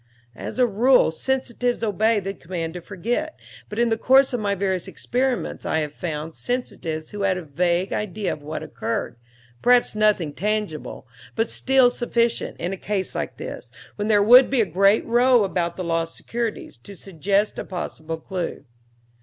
As a rule, sensitives obey the command to forget, but in the course of my various experiments I have found sensitives who had a vague idea of what occurred, perhaps nothing tangible, but still sufficient, in a case like this, when there would be a great row about the lost securities, to suggest a possible clue.